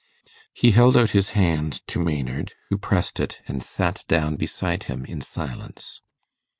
He held out his hand to Maynard, who pressed it, and sat down beside him in silence.